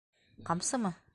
Ҡамсымы?